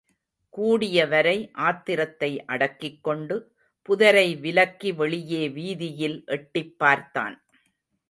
கூடியவரை ஆத்திரத்தை அடக்கிக்கொண்டு, புதரை விலக்கிவெளியே வீதியில் எட்டிப்பார்த்தான்.